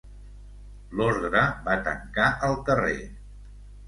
L'ordre va tancar el carrer.